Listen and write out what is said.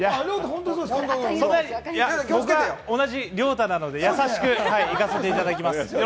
僕は同じ亮太なので、優しく行かせていただきます。